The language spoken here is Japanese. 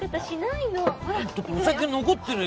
お酒残ってるよ。